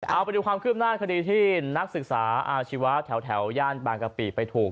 เอาไปดูความคืบหน้าคดีที่นักศึกษาอาชีวะแถวย่านบางกะปิไปถูก